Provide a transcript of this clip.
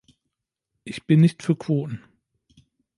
Ich bin nicht für Quoten.